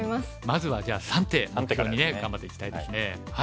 まずはじゃあ３手目標にね頑張っていきたいですね。